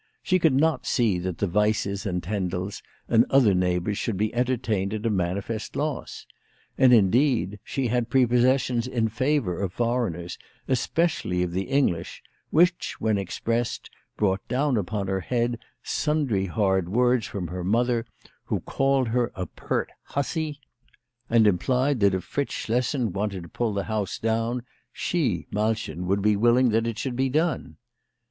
She could not see that the Weisses and Tendels, and other neighbours, should be entertained at a manifest loss ; and, indeed, she had prepossessions in favour of foreigners, especially of the English, which, when expressed, brought down upon her head sundry hard words from her mother, who called her a " pert hussey," and implied that if Fritz Schlessen wanted to WHY FRAU FROHMANN RAISED HER PRICES. 21 pull the house down she, Malchen, would be willing that it should be done.